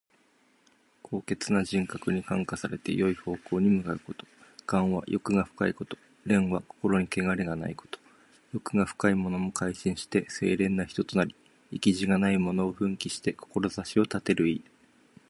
高潔な人格に感化されて、よい方向に向かうこと。「頑」は欲が深いこと。「廉」は心にけがれがないこと。欲が深いものも改心して清廉な人となり、意気地がないものも奮起して志を立てる意。